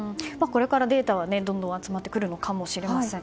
これからデータはどんどん集まってくるのかもしれません。